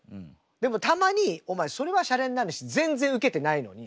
でもたまにお前それはシャレになんないし全然ウケてないのに。